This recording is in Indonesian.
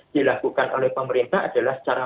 dilakukan oleh pemerintah adalah secara